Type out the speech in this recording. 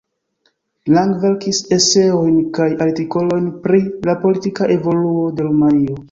Lang verkis eseojn kaj artikolojn pri la politika evoluo de Rumanio.